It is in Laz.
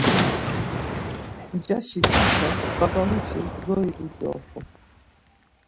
Ncaşi tişen babamuşis zori ducoxu.